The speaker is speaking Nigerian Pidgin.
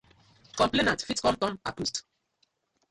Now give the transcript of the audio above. Complainant fit com turn accused.